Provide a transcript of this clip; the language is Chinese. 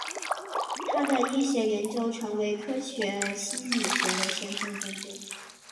他的医学研究成为科学心理学的先锋工作。